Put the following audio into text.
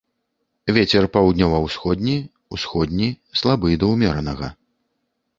Вецер паўднёва-ўсходні, усходні слабы да ўмеранага.